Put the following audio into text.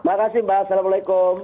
terima kasih mbak assalamualaikum